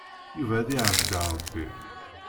Yuba ad yeɛbed Ṛebbi.